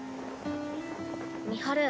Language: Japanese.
美晴。